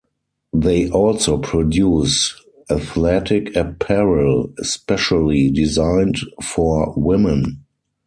They also produce athletic apparel specially designed for women.